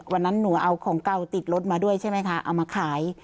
วันนั้นหนูเอาของเก่าติดรถมาด้วยใช่ไหมคะเอามาขาย